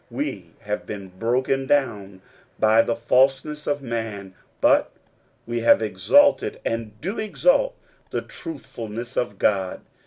We have been broken down by the falseness of man, but we have exulted and do exult in the truthfulness of God.